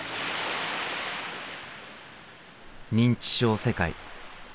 「認知症世界」。